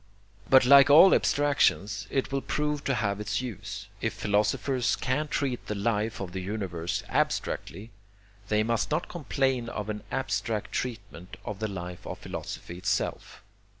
But like all abstractions, it will prove to have its use. If philosophers can treat the life of the universe abstractly, they must not complain of an abstract treatment of the life of philosophy itself.